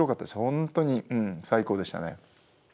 本当に最高でしたね。